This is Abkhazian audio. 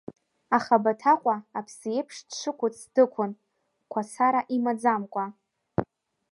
Аха Баҭаҟәа аԥсы еиԥш дшықәыц дықәын, қәацара имаӡамкәа.